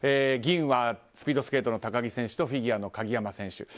銀はスピードスケートの高木選手フィギュアの鍵山選手。